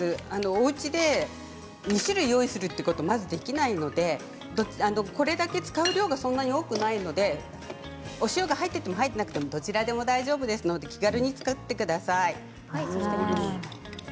おうちで２種類用意するということはまずできないのでこれだけ使う量がそんなに多くないのでお塩が入っていてもいなくてもどちらでも大丈夫ですので気軽に作ってください。